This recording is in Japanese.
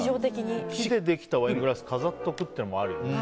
木でできたワイングラス飾っておくというのもあるよね。